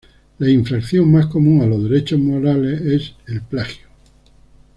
La infracción más común a los derechos morales es el plagio.